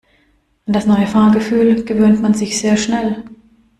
An das neue Fahrgefühl gewöhnt man sich sehr schnell.